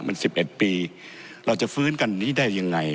มัน๑๑ปีเราจะฟื้นกันนี้ได้ยังไง